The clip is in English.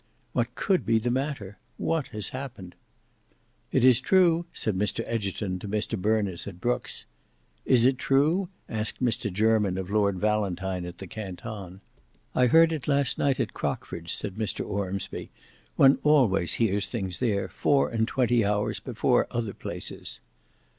What could be the matter? What has happened? "It is true," said Mr Egerton to Mr Berners at Brookes'. "Is it true?" asked Mr Jermyn of Lord Valentine at the Canton. "I heard it last night at Crockford's," said Mr Ormsby; "one always hears things there four and twenty hours before other places."